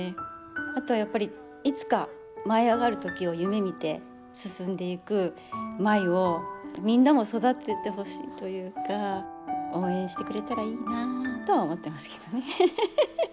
あとはやっぱりいつか舞いあがる時を夢みて進んでいく舞をみんなも育ててほしいというか応援してくれたらいいなとは思ってますけどね。